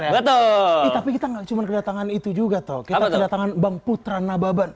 betul tapi kita nggak cuma kedatangan itu juga toh kita kedatangan bang putra nababan